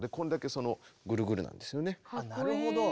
なるほど。